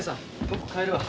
僕帰るわ。